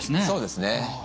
そうですね。